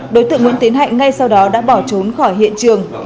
đối tượng nguyễn tiến hạnh ngay sau đó đã bỏ trốn khỏi hiện trường